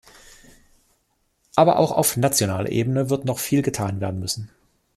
Aber auch auf nationaler Ebene wird noch viel getan werden müssen.